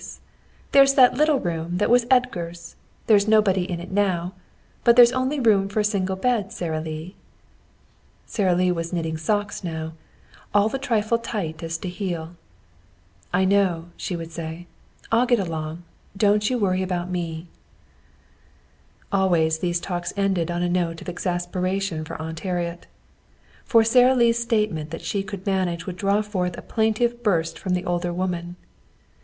"Of course she has room for me," she would say in her thin voice. "There's that little room that was Edgar's. There's nobody in it now. But there's only room for a single bed, Sara Lee." Sara Lee was knitting socks now, all a trifle tight as to heel. "I know," she would say. "I'll get along. Don't you worry about me." Always these talks ended on a note of exasperation for Aunt Harriet. For Sara Lee's statement that she could manage would draw forth a plaintive burst from the older woman.